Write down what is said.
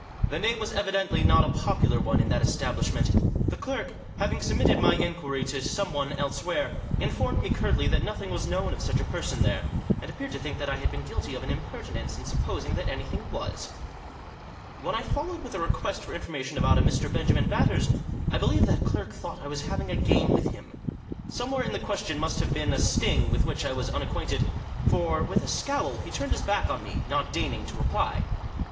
The name was evidently not a popular one in that establishment. The clerk, having submitted my inquiry to someone elsewhere, informed me curtly that nothing was known of such a person there, and appeared to think that I had been guilty of an impertinence in supposing that any thing was. When I followed with a request for information about a Mr. Benjamin Batters, I believe that clerk thought I was having a game with him. Somewhere in the question must have been a sting, with which I was unacquainted; for, with a scowl, he turned his back on me, not deigning to reply.